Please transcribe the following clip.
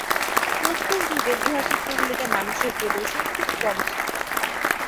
প্রস্তর যুগে গুহা চিত্রগুলিতে মানুষের প্রদর্শন খুব কম ছিল।